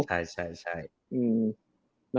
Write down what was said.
ใช่